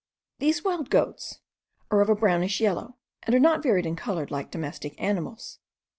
These wild goats are of a brownish yellow, and are not varied in colour like domestic animals.